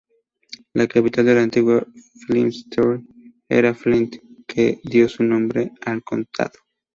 La capital de la antigua Flintshire era Flint, que dio su nombre al condado.